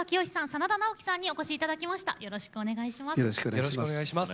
よろしくお願いします。